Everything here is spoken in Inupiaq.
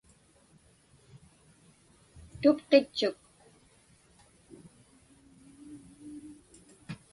Tupqitchuk.